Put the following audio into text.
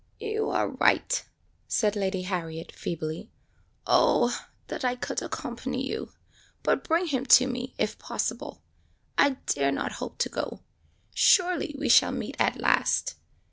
"You are right!" said Lady Harriet, feebly. "Oh! that I could accompany you! But bring him to me if possible. I dare not hope to go. Surely we shall meet at last.